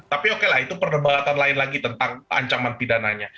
tapi oke lah itu perdebatan lain lagi tentang ancaman pidananya